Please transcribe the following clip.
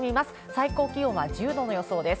最高気温は１０度のよそうです。